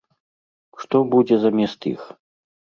Што будзе замест іх?